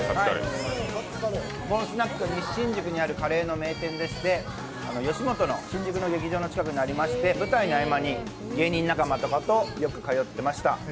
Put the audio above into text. モンスナックは西新宿にあるカレーの名店でして吉本の新宿の劇場の近くにありまして、舞台の合間に芸人仲間とよく通ってました。